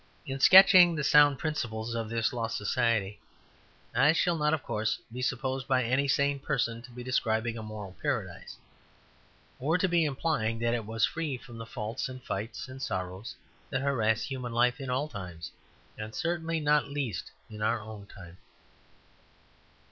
In sketching the sound principles of this lost society, I shall not, of course, be supposed by any sane person to be describing a moral paradise, or to be implying that it was free from the faults and fights and sorrows that harass human life in all times, and certainly not least in our own time.